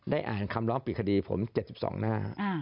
อ่านคำร้องปิดคดีผม๗๒หน้า